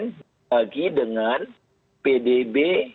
dibagi dengan pdb